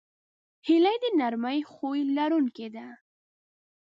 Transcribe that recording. هیلۍ د نرمه خوی لرونکې ده